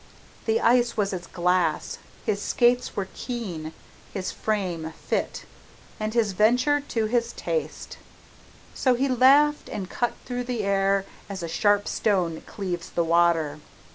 The ice was as glass, his skates were keen, his frame fit, and his venture to his taste! So he laughed, and cut through the air as a sharp stone cleaves the water.